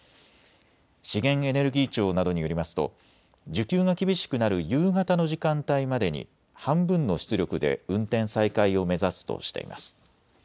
資源エネルギー庁などによりますと需給が厳しくなる夕方の時間帯までに半分の出力で運転再開を目指すとしています。